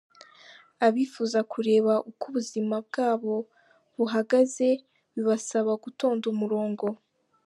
Abifuza kureba uko ubuzima bwabo buhagaze bibasaba gutonda umurongo.